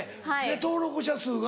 登録者数が？